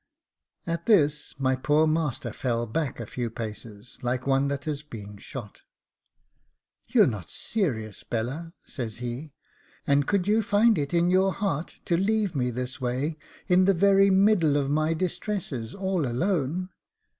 At this my poor master fell back a few paces, like one that had been shot. 'You're not serious, Bella,' says he; 'and could you find it in your heart to leave me this way in the very middle of my distresses, all alone.